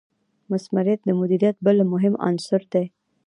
مثمریت د مدیریت بل مهم عنصر ګڼل کیږي.